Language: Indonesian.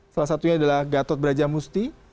salah satunya adalah gatot brajamusti